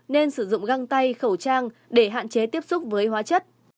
nên sử dụng găng tay khẩu trang để hạn chế tiếp xúc với hóa chất